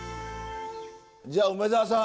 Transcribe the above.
じゃあ梅沢さん